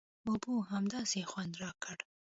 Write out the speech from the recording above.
اوبو همداسې خوند راکړ.